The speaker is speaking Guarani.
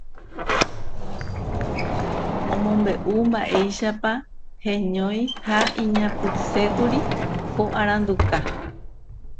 Omombe'u mba'éichapa heñói ha iñapysẽkuri ko aranduka.